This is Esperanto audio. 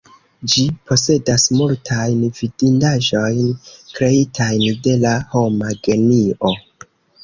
Ĝi posedas multajn vidindaĵojn, kreitajn de la homa genio.